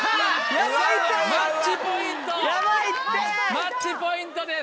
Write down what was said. マッチポイントです。